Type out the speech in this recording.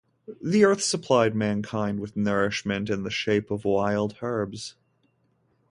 The earth supplied mankind with nourishment in the shape of wild herbs.